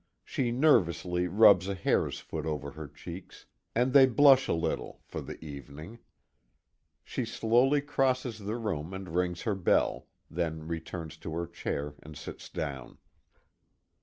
She nervously rubs a hare's foot over her cheeks, and they blush a little for the evening. She slowly crosses the room and rings her bell; then returns to her chair and sits down.